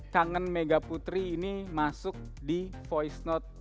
kangen mega putri ini masuk di voice note